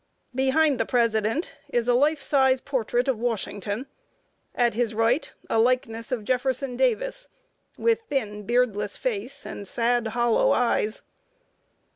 Behind the president is a life size portrait of Washington; at his right, a likeness of Jefferson Davis, with thin, beardless face, and sad, hollow eyes.